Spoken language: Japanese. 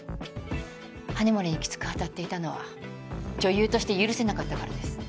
羽森にきつく当たっていたのは女優として許せなかったからです。